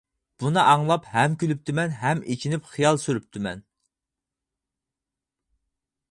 بۇنى ئاڭلار ھەم كۈلۈپتىمەن ھەم ئېچىنىپ خىيال سۈرۈپتىمەن.